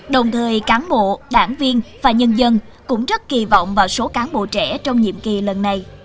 đồng thời cán bộ đảng viên và nhân dân cũng rất kỳ vọng vào số cán bộ trẻ trong nhiệm kỳ lần này